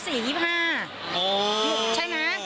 ก็เลยจะหารุ่นนี้